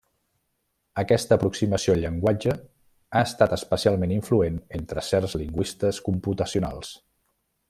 Aquesta aproximació al llenguatge ha estat especialment influent entre certs lingüistes computacionals.